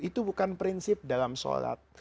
itu bukan prinsip dalam sholat